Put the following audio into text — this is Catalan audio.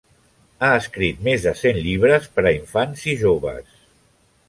Ha escrit més de cent llibres per a infants i joves.